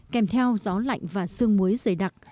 kèm theo gió lạnh và sương muối dày đặc